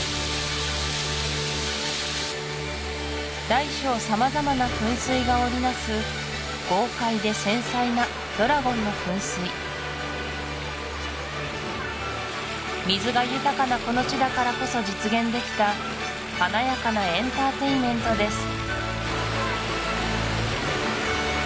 大小様々な噴水が織りなす豪快で繊細なドラゴンの噴水水が豊かなこの地だからこそ実現できた華やかなエンターテインメントです